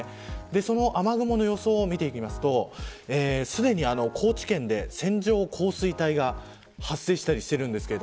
その雨雲の様子を見ていきますとすでに高知県で線状降水帯が発生したりしています。